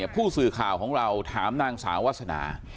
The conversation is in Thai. ผู้สื่อข่าวของเราถามนางสาววาสนา